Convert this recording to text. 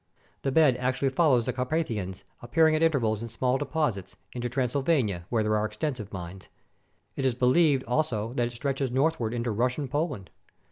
The bed actually follows the Carpa thians, appearing at intervals in small deposits, into Transylvania, where there are extensive mines. It is believed, also, that it stretches northward into Russian Poland.